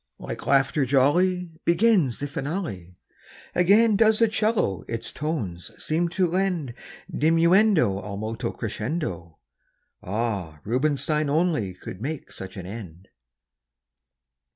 Like laughter jolly Begins the finale; Again does the 'cello its tones seem to lend Diminuendo ad molto crescendo. Ah! Rubinstein only could make such an end!